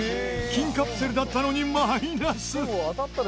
金カプセルだったのにマイナス。